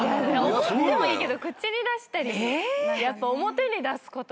思ってもいいけど口に出したり表に出すことは。